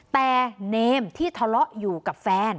แต่เนมที่ทะเลาะอยู่กับแฟน